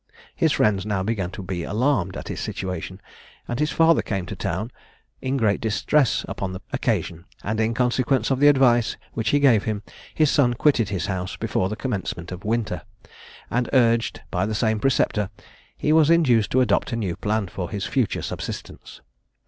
His friends now began to be alarmed at his situation, and his father came to town in great distress upon the occasion; and in consequence of the advice which he gave him, his son quitted his house before the commencement of winter, and, urged by the same preceptor, he was induced to adopt a new plan for his future subsistence.